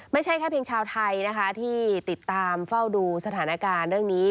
ไม่ใช่แค่เพียงชาวไทยนะคะที่ติดตามเฝ้าดูสถานการณ์เรื่องนี้